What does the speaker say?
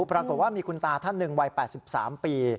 ปรากฏว่ามีคุณตาท่านหนึ่งวัย๘๓ปี